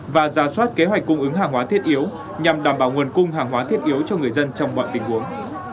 và ra soát kế hoạch cung ứng hàng hóa thiết yếu nhằm đảm bảo nguồn cung hàng hóa thiết yếu cho người dân trong mọi tình huống